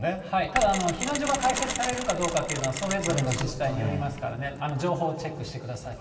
ただ、避難所が開設されるかどうかというのはそれぞれの自治体によりますからね、情報をチェックしてください。